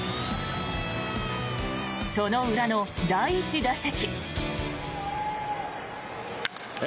その裏の第１打席。